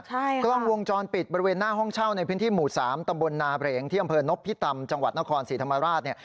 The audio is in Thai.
ใช่ค่ะกล้องวงจรปิดบริเวณหน้าห้องเช่าในพื้นที่หมู่สามตำบลนาเบรงที่อำเภอนพิตำจังหวัดนครศรีธรรมราชเนี่ย